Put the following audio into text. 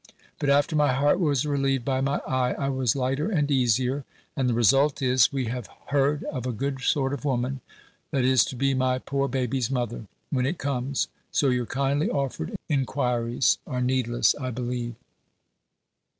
But after my heart was relieved by my eye, I was lighter and easier. And the result is, we have heard of a good sort of woman, that is to be my poor baby's mother, when it comes; so your kindly offered enquiries are needless, I believe.